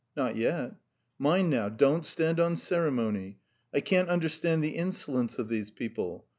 "Not yet." "Mind now, don't stand on ceremony. I can't understand the insolence of these people!